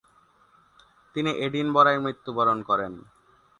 তিনি এডিনবরায় মৃত্যুবরণ করেন।